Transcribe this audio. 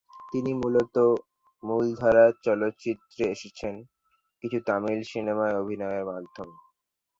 তিনি মূলত মূলধারার চলচ্চিত্রে এসেছেন কিছু তামিল সিনেমায় অভিনয়ের মাধ্যমে।